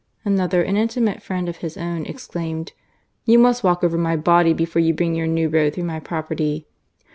Another, an intimate friend of his own, exclaimed :" You must walk over my body before you bring your new road through my property